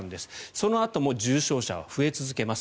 そのあとも重症者は増え続けます。